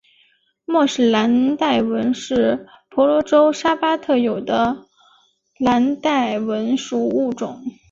莫氏蓝带蚊是婆罗洲沙巴特有的的蓝带蚊属物种。